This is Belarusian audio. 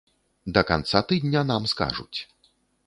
Да канца тыдня нам скажуць.